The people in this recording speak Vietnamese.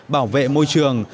bảo vệ môi trường